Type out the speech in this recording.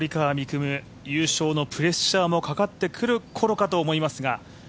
夢、優勝のプレッシャーのかかってくるころかと思いますが。